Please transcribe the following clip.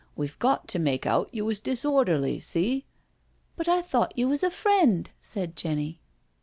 " We've got to make out you was disorderly, see." " But I thought you was a friend?" said Jenny.